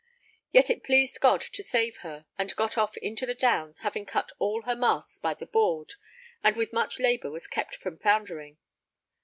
Yet it pleased God to save her, and got off into the Downs, having cut all her masts by the board, and with much labour was kept from foundering.